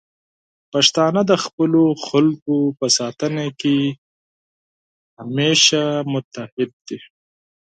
پښتانه د خپلو خلکو په ساتنه کې همیشه متعهد دي.